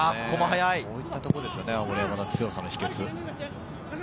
こういったところですよね、青森山田、強さの秘けつ。